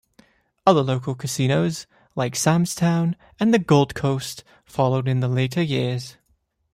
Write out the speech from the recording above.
Other locals casinos like Sam's Town and the Gold Coast followed in later years.